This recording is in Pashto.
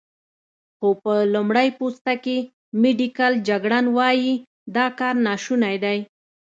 خو په لمړی پوسته کې، میډیکل جګړن وايي، دا کار ناشونی دی.